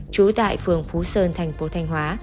trú tại phường phú sơn thành phố thành hóa